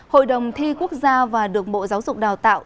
hội đồng thi quốc gia và được bộ giáo dục đào tạo